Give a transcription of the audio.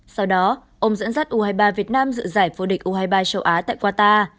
sau đó ông dẫn dắt u hai mươi ba việt nam dự giải vô địch u hai mươi ba châu á tại qatar